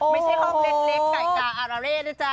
ไม่ใช่ห้องเล็กไก่กาอาราเร่นะจ๊ะ